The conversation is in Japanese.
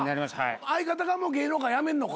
相方がもう芸能界辞めんのか？